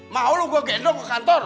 mau lo gue gendong ke kantor